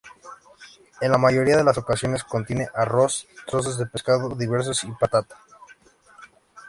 En la mayoría de las ocasiones contiene arroz, trozos de pescados diversos y patata.